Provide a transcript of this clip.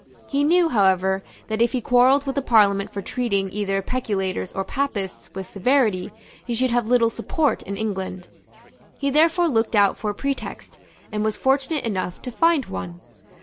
He knew, however, that if he quarrelled with the Parliament for treating either peculators or Papists with severity, he should have little support in England. He therefore looked out for a pretext, and was fortunate enough to find one.